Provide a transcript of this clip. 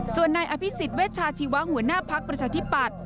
ส่วนนายอภิษฎเวชาชีวะหัวหน้าภักดิ์ประชาธิปัตย